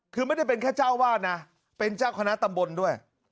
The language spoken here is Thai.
คือไม่ได้เป็นแค่เจ้าวาดนะเป็นเจ้าคณะตำบลด้วย